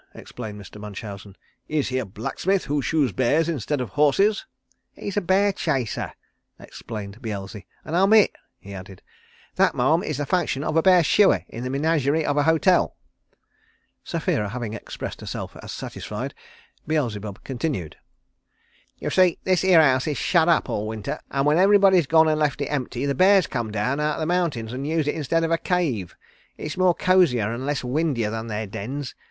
explained Mr. Munchausen. "Is he a blacksmith who shoes bears instead of horses?" "He's a bear chaser," explained Beelzy, "and I'm it," he added. "That, Ma'am, is the function of a bear shooer in the menagerie of a hotel." Sapphira having expressed herself as satisfied, Beelzebub continued. "You see this here house is shut up all winter, and when everybody's gone and left it empty the bears come down out of the mountains and use it instead of a cave. It's more cosier and less windier than their dens.